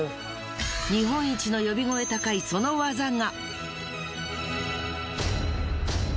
日本一の呼び声高いその技が。